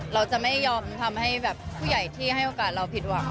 เราจะไม่ยอมทำให้แบบผู้ใหญ่ที่ให้โอกาสเราผิดหวัง